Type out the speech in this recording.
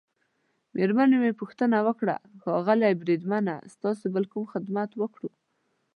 مېرمنې يې پوښتنه وکړه: ښاغلی بریدمنه، ستاسي بل کوم خدمت وکړو؟